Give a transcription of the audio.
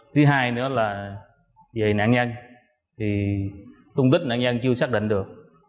thứ hai nữa là về nạn nhân thì tung tích nạn nhân chưa xác định được